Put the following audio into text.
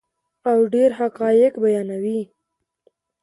او ډیر حقایق بیانوي.